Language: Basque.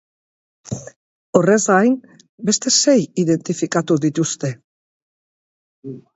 Horrez gain, beste sei identifikatu dituzte.